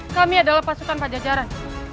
kami adalah pasukan pajajaran